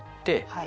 はい。